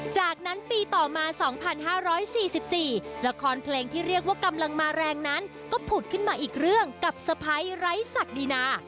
จากนั้นปีต่อมา๒๕๔๔ละครเพลงที่เรียกว่ากำลังมาแรงนั้นก็ผุดขึ้นมาอีกเรื่องกับสะพ้ายไร้ศักดีนา